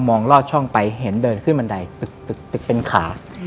ลอดช่องไปเห็นเดินขึ้นบันไดตึกเป็นขา